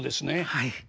はい。